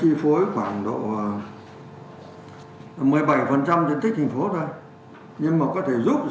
hơn một mươi hai doanh nghiệp giải thể ngưng hoạt động